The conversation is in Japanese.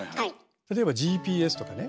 例えばＧＰＳとかね